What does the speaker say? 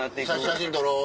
「写真撮ろう」